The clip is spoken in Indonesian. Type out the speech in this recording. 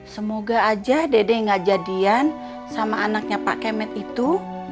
semoga aja dede gak jadian sama anaknya pak kemet itu